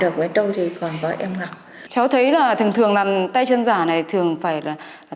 cháu thấy là thường thường làm tay chân giả này thường phải là